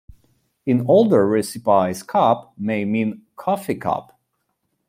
In older recipes cup may mean "coffee cup".